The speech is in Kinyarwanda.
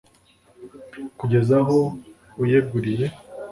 kugeza aho wiyeguriye